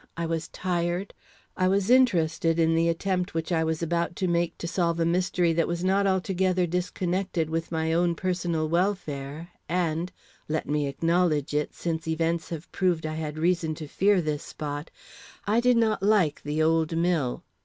I was tired; I was interested in the attempt which I was about to make to solve a mystery that was not altogether disconnected with my own personal welfare, and let me acknowledge it, since events have proved I had reason to fear this spot I did not like the old mill.